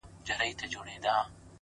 دا ستا خبري مي د ژوند سرمايه؛